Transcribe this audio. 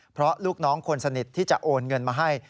เพราะลูกน้องคนสนิทที่จะโอนเงินมาให้